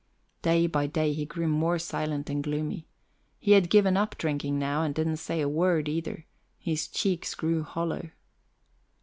Day by day he grew more silent and gloomy. He had given up drinking now, and didn't say a word, either; his cheeks grew hollow.